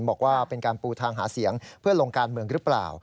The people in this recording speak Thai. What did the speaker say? บอกว่าเป็นการปูทางหาเสียงเพื่อลงการเมืองหรือเปล่า